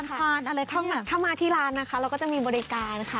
การทานอะไรทั้งถ้ามาที่ร้านนะคะเราก็จะมีบริการนะคะ